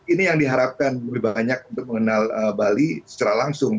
ini yang diharapkan lebih banyak untuk mengenal bali secara langsung